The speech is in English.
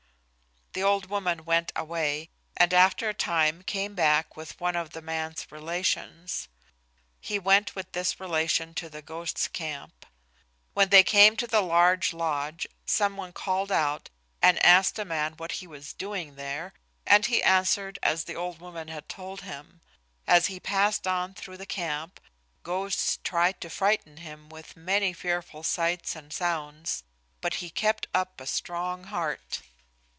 The old woman went away, and after a time came back with one of the man's relations. He went with this relation to the ghosts' camp. When they came to the large lodge some one called out and asked the man what he was doing there, and he answered as the old woman had told him. As he passed on through the camp the ghosts tried to frighten him with many fearful sights and sounds, but he kept up a strong heart.